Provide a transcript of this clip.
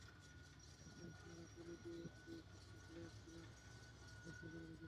পাকিস্তানি সেনারা কুলি দিয়ে আগেই সেখানে বিরাট বিরাট গর্ত করে রেখেছিল।